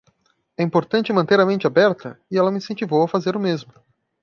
É importante manter a mente aberta? e ela me incentivou a fazer o mesmo.